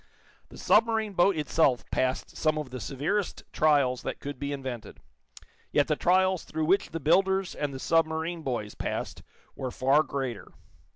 The submarine boat itself passed some of the severest trials that could be invented, yet the trials through which the builders and the submarine boys passed were far greater.